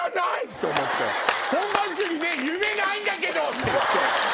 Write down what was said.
本番中に「夢ないんだけど！」って言って。